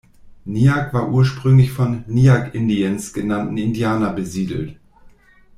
Nyack war ursprünglich von "Nyack Indians" genannten Indianern besiedelt.